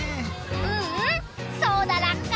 うんうんそうだラッカ。